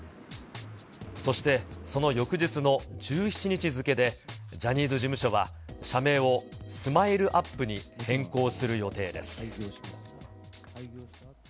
そしてその翌日の１７日付で、ジャニーズ事務所は社名をスマイルアップに変更する予定です。